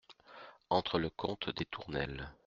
Entre le comte des Tournelles.